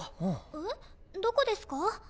えっどこですか？